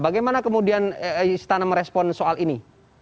bagaimana kemudian istana merespon soal ini